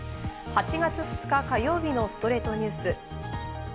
８月２日、火曜日の『ストレイトニュース』。